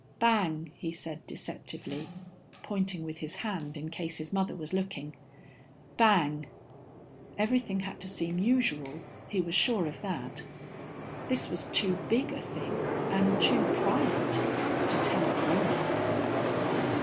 "Bang," he said deceptively, pointing with his hand in case his mother was looking. "Bang." Everything had to seem usual; he was sure of that. This was too big a thing, and too private, to tell a grownup.